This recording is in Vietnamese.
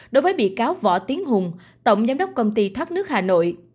đối với bị cáo võ tiến hùng tổng giám đốc công ty thoát nước hà nội